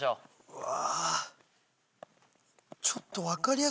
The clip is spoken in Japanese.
うわ。